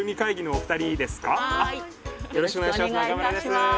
よろしくお願いします。